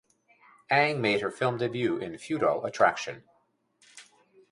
Ang made her film debut in "Futile Attraction".